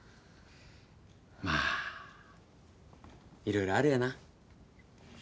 まあ色々あるよな。